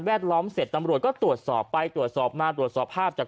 ล้อมเสร็จตำรวจก็ตรวจสอบไปตรวจสอบมาตรวจสอบภาพจาก